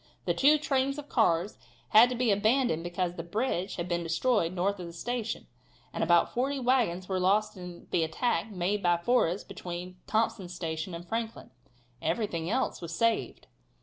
The two trains of cars had to be abandoned because a bridge had been destroyed north of the station, and about forty wagons were lost in the attacks made by Forrest between Thompson's Station and Franklin. Everything else was saved.